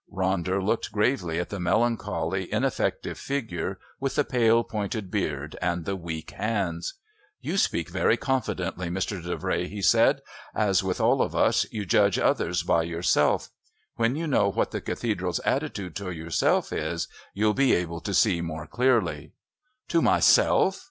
Ronder looked gravely at the melancholy, ineffective figure with the pale pointed beard, and the weak hands. "You speak very confidently, Mr. Davray," he said. "As with all of us, you judge others by yourself. When you know what the Cathedral's attitude to yourself is, you'll be able to see more clearly." "To myself!"